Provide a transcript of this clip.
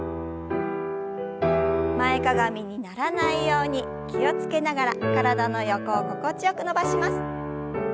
前かがみにならないように気を付けながら体の横を心地よく伸ばします。